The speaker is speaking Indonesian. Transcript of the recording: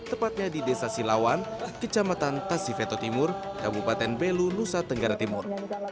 tepatnya di desa silawan kecamatan tasifeto timur kabupaten belu nusa tenggara timur